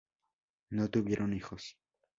No tuvieron hijos.